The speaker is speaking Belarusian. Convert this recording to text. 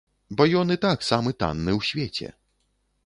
Бо ён і так самы танны ў свеце.